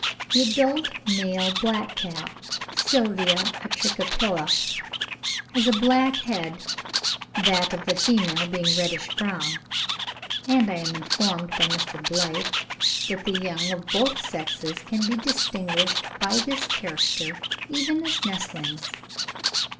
The adult male blackcap (Sylvia atricapilla) has a black head, that of the female being reddish brown; and I am informed by Mr. Blyth, that the young of both sexes can be distinguished by this character even as nestlings.